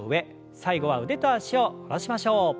最後は腕と脚を戻しましょう。